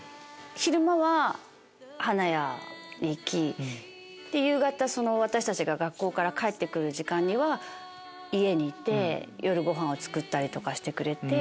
昼間は花屋に行き夕方私たちが学校から帰って来る時間には家にいて夜ごはんを作ったりしてくれて。